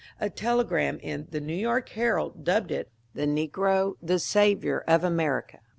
A telegram in the " New York Herald " dubbed it " The Negro, the Saviour of America."